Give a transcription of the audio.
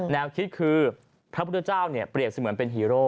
แนวคิดคือพระพุทธเจ้าเปรียบเสมือนเป็นฮีโร่